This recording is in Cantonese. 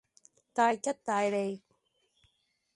大吉大利